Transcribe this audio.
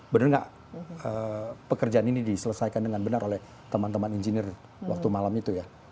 benar nggak pekerjaan ini diselesaikan dengan benar oleh teman teman engineer waktu malam itu ya